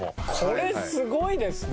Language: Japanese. これすごいですね。